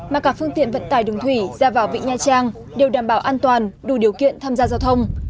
mà cả phương tiện vận tải đường thủy ra vào vịnh nha trang đều đảm bảo an toàn đủ điều kiện tham gia giao thông